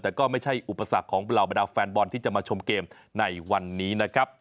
แต่ก็ไม่ใช่อุปสรรคของเราแฟนบอลที่จะมาชมเกมในวันนี้